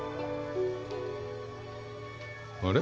あれ？